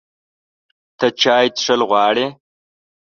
ته چای څښل غواړې؟